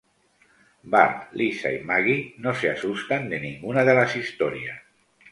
Bart, Lisa y Maggie no se asustan de ninguna de las historias.